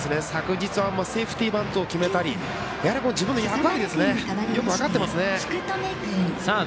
昨日はセーフティースクイズを決めたり自分の役割、よく分かってますね。